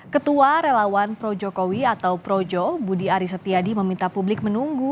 ketua relawan projokowi atau projo budi aris setiadi meminta publik menunggu